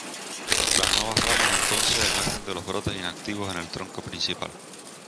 Las nuevas ramas entonces emergen de los brotes inactivos en el tronco principal.